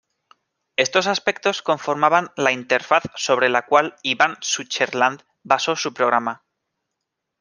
Estos aspectos conformaban la interfaz sobre la cual Ivan Sutherland basó su programa.